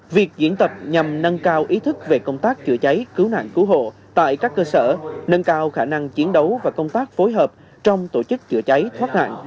việc diễn tập nhằm nâng cao ý thức về công tác chữa cháy cứu nạn cứu hộ tại các cơ sở nâng cao khả năng chiến đấu và công tác phối hợp trong tổ chức chữa cháy thoát nạn